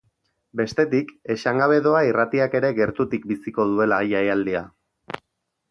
Bestetik, esan gabe doa irratiak ere gertutik biziko duela jaialdia.